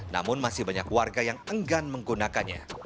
namun masih banyak warga yang enggan menggunakannya